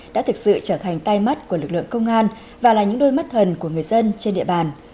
đã thực sự trở thành tay mắt của lực lượng công an và là những đôi mắt thần của người dân trên địa bàn